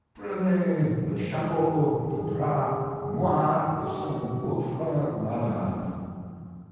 prenez le chapeau de drap noir de son beaufrere malade.